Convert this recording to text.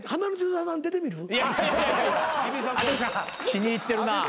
気に入ってるなぁ。